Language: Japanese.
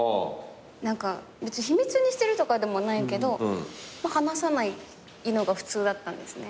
別に秘密にしてるとかでもないけど話さないのが普通だったんですね。